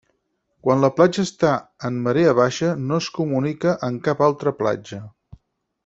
Quan la platja està en marea baixa no es comunica amb cap altra platja.